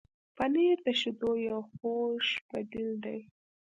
پنېر د شیدو یو خوږ بدیل دی.